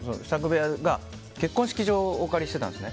部屋が結婚式場をお借りしてたんです。